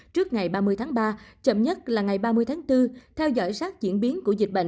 trước ngày ba mươi tháng ba chậm nhất là ngày ba mươi tháng bốn theo dõi sát diễn biến của dịch bệnh